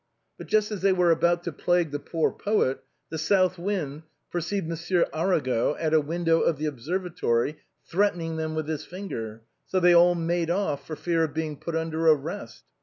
But just as they were about io plague the poor poet, the south wind perceived Monsieur Arago at a window of the Observatory threaten ing them with his finger ; so they all made off, for fear of being put under arrest.